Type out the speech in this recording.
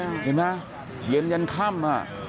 เห็นไหมเย็นยันค่ำ